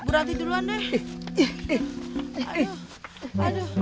berarti duluan deh